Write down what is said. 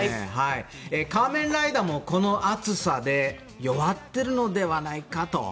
仮面ライダーもこの暑さで弱ってるのではないかと。